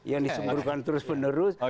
yang disemburkan terus penerus